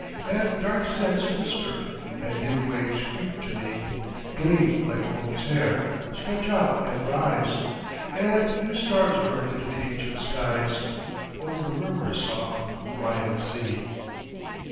And dark scents whisper; and dim waves creep to me, Gleam like a woman's hair, stretch out, and rise; And new stars burn into the ancient skies, Over the murmurous soft Hawaiian sea."